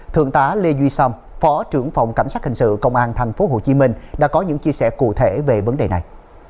thượng tá lê duy sâm phó trưởng phòng cảnh sát hình sự công an tp hcm đã có những chia sẻ cụ thể về vấn đề này